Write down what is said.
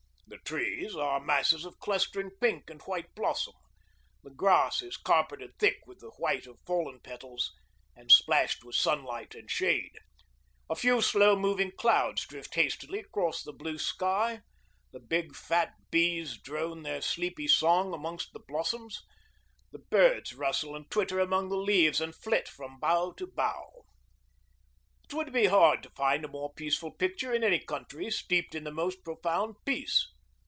The trees are masses of clustering pink and white blossom, the grass is carpeted thick with the white of fallen petals and splashed with sunlight and shade. A few slow moving clouds drift lazily across the blue sky, the big, fat bees drone their sleepy song amongst the blossoms, the birds rustle and twitter amongst the leaves and flit from bough to bough. It would be hard to find a more peaceful picture in any country steeped in the most profound peace.